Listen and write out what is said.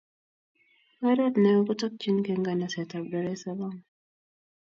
Oret neo kotokchinigei nganasetab Dar es Salaam.